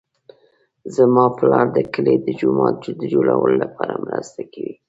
زما پلار د کلي د جومات د جوړولو لپاره مرسته کوي